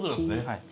はい。